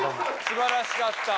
素晴らしかった。